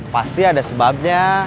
pasti ada sebabnya